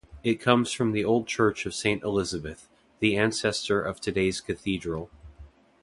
It comes from the old church of Saint Elisabeth, the ancestor of today's cathedral.